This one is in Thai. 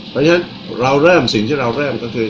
เพราะฉะนั้นเราเริ่มสิ่งที่เราเริ่มก็คือ